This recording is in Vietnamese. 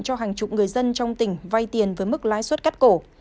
cho hàng chục người dân trong tỉnh vay tiền với mức lãi suất cắt cổ